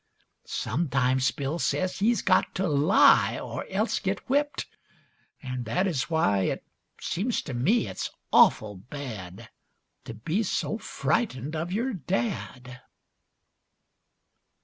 Sometimes Bill says he's got to lie Or else get whipped, an' that is why It seems to me it's awful bad To be so frightened of your dad.